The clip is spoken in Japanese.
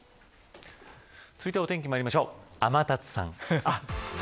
続いては、お天気まいりましょう、天達さん。